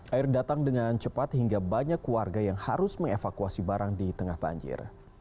air datang dengan cepat hingga banyak warga yang harus mengevakuasi barang di tengah banjir